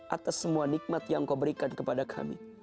atas semua nikmat yang kau berikan kepada kami